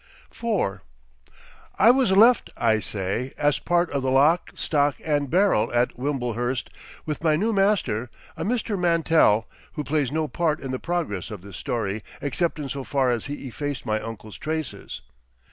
IV I was left, I say, as part of the lock, stock, and barrel, at Wimblehurst with my new master, a Mr. Mantell; who plays no part in the progress of this story except in so far as he effaced my uncle's traces.